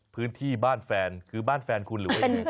พื้นที่บ้านแฟนคือบ้านแฟนคุณหรือว่ายังไง